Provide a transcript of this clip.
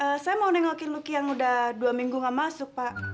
eh saya mau nengokin luqiyah yang udah dua minggu nggak masuk pak